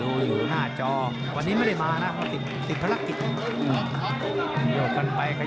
รูอยู่หน้าจอวันนี้ไม่ได้มานะเบาติดติดติดภารกิจ